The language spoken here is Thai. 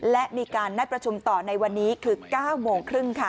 และมีการนัดประชุมต่อในวันนี้คือ๙โมงครึ่งค่ะ